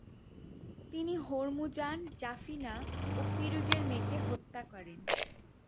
তিনি হরমুজান, জাফিনা ও পিরুজের মেয়েকে হত্যা করেন।